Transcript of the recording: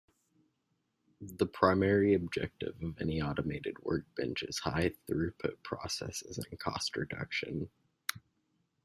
The primary objective of any automated workbench is high-throughput processes and cost reduction.